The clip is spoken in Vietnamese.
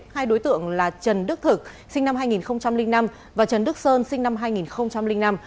hai đối tượng là trần đức thực sinh năm hai nghìn năm và trần đức sơn sinh năm hai nghìn năm